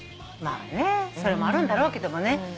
まあねそれもあるんだろうけどもね